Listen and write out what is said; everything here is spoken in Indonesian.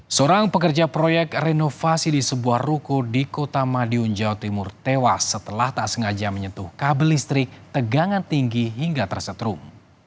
seorang pekerja proyek renovasi di sebuah ruko di kota madiun jawa timur tewas setelah tak sengaja menyentuh kabel listrik tegangan tinggi hingga tersetrum